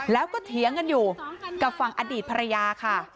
แล้วก็เถียงกันอยู่กับฝั่งอดีตภรรยาค่ะ